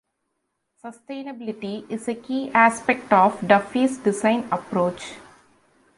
Sustainability is a key aspect of Duffy's design approach.